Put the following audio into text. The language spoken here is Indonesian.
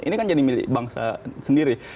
ini kan jadi milik bangsa sendiri